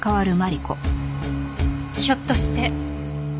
ひょっとして。